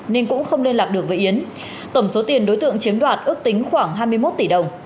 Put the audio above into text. nên cũng không liên lạc được với yến tổng số tiền đối tượng chiếm đoạt ước tính khoảng hai mươi một tỷ đồng